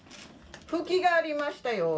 ふきがありましたよ。